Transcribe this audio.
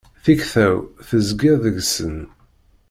Tikta-w, tezgiḍ deg-sen.